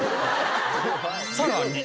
さらに。